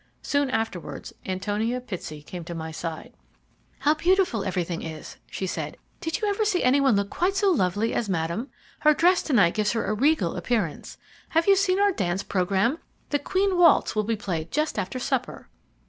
Soon afterwards Antonia Pitsey came to my side. "How beautiful everything is," she said. "Did you ever see any one look quite so lovely as Madame? Her dress to night gives her a regal appearance. Have you seen our dance programme? The 'Queen Waltz' will be played just after supper."